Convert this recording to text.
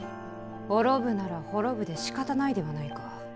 滅ぶなら滅ぶでしかたないではないか。